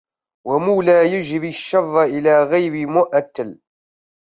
ومولى يجر الشر لي غير مؤتل